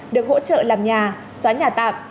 được hỗ trợ làm nhà xóa nhà tạp